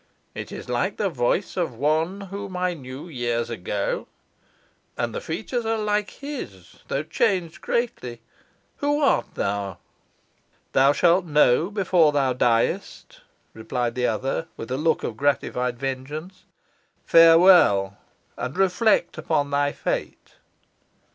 "It is like the voice of one whom I knew years ago, and thy features are like his though changed greatly changed. Who art thou?" "Thou shalt know before thou diest," replied the other, with a look of gratified vengeance. "Farewell, and reflect upon thy fate."